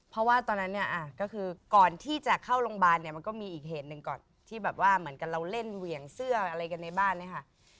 เพราะว่าตอนนั้นเนี่ยก็คือก่อนที่จะเข้าโรงพยาบาลเนี่ยมันก็มีอีกเหตุหนึ่งก่อนที่แบบว่าเหมือนกับเราเล่นเหวี่ยงเสื้ออะไรกันในบ้านเนี่ยค่ะ